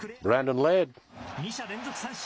２者連続三振。